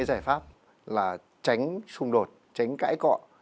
giải pháp là tránh xung đột tránh cãi cọ